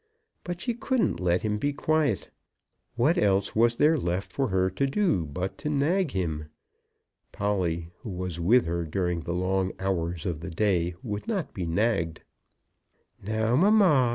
But she couldn't let him be quiet. What else was there left for her to do but to nag him? Polly, who was with her during the long hours of the day, would not be nagged. "Now, mamma!"